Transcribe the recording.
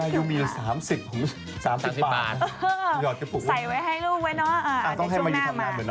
ไหวมั้ยครับอายใหญ่เลย